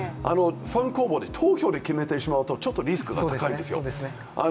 ファン公募で投票で決めてしまうとちょっとリスクが高いんですよ。